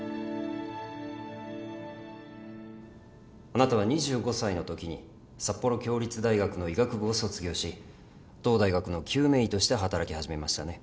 あなたは２５歳のときに札幌共立大学の医学部を卒業し同大学の救命医として働き始めましたね？